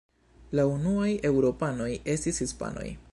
La unuaj eŭropanoj estis hispanoj.